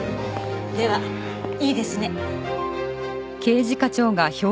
ではいいですね？